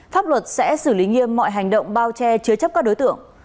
pháp luật sẽ xử lý nghiêm mọi hành động bao che chứa chấp các đối tượng